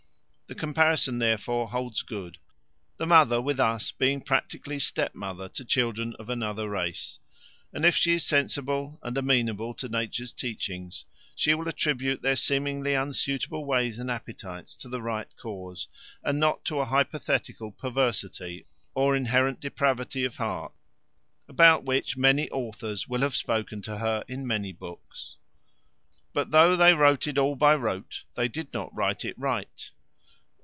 The comparison, therefore, holds good, the mother with us being practically step mother to children of another race; and if she is sensible, and amenable to nature's teaching, she will attribute their seemingly unsuitable ways and appetites to the right cause, and not to a hypothetical perversity or inherent depravity of heart, about which many authors will have spoken to her in many books: But though they wrote it all by rote They did not write it right.